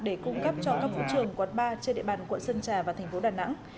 để cung cấp cho các vụ trường quận ba trên địa bàn quận sơn trà và tp đà nẵng